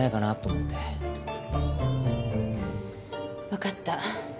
分かった。